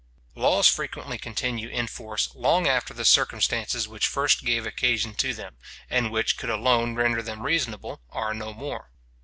Laws frequently continue in force long after the circumstances which first gave occasion to them, and which could alone render them reasonable, are no more.